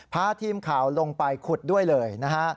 พาทีมข่าวลงไปขุดด้วยเลยนะฮะ